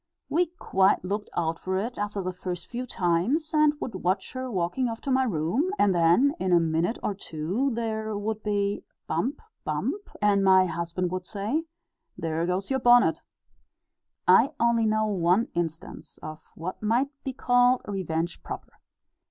We quite looked out for it after the first few times, and would watch her walking off to my room, and then in a minute or two there would be 'bump, bump,' and my husband would say, 'There goes your bonnet!'" (See Note V, Addenda.) I only know one instance of what might be called revenge proper.